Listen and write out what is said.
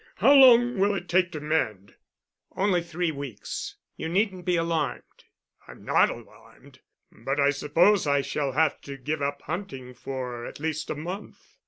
How long will it take to mend?" "Only three weeks. You needn't be alarmed." "I'm not alarmed, but I suppose I shall have to give up hunting for at least a month."